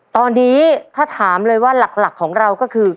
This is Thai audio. ตอนนี้ถ้าถามเลยว่าหลักของเราก็คือ